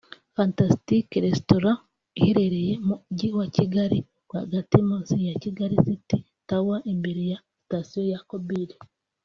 Fantastic Restaurant iherereye mu jyi wa Kigali rwagati munsi ya Kigali City Tower imbere ya Station ya Kobil